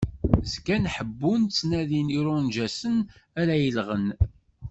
Zgan ḥebbun, ttnadin irunǧasen ara llɣen.